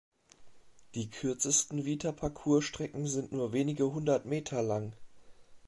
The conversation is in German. Die kürzesten Vitaparcours-Strecken sind nur wenige hundert Meter lang.